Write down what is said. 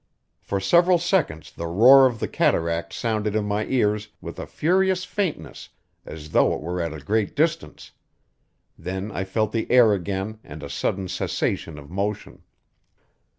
For several seconds the roar of the cataract sounded in my ears with a furious faintness, as though it were at a great distance; then I felt the air again and a sudden cessation of motion.